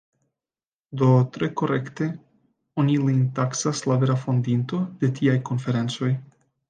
Do tre korekte oni lin taksas la vera fondinto de tiaj konferencoj.